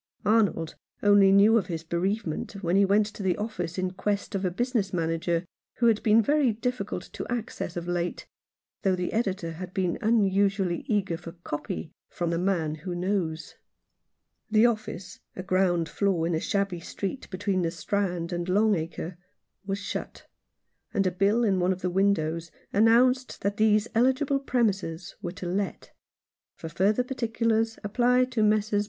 Arnold only knew of his bereavement when he went to the office in quest of a business manager who had been very difficult of access of late, though the editor had been unusually eager for " copy " from "The Man who Knows." The office — a ground floor in a shabby street between the Strand and Long Acre— was shut, and a bill in one of the windows announced that these eligible premises were to let ; for further particulars apply to Messrs.